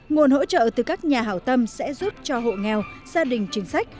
nguồn hỗ trợ từ các nhà hảo tâm sẽ giúp cho hộ nghèo gia đình chính sách